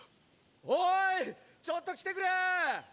おいちょっと来てくれ！